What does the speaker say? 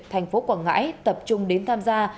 tp quảng ngãi tập trung đến tham gia